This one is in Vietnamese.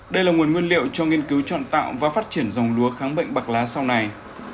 đây là nguồn nguyên liệu cho nghiên cứu trọn tạo và phát triển dòng lúa kháng bệnh bạc lá sau này